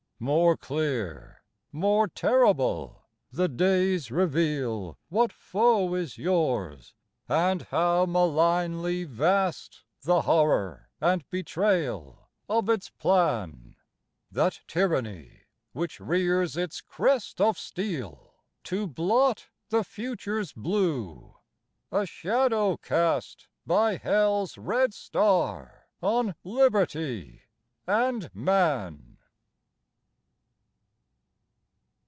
More clear, more terrible, the days reveal What foe is yours, and how malignly vast The horror and betrayal of its plan That tyranny which rears its crest of steel To blot the Future s blue, a shadow cast By Hell s red star on Liberty and Man.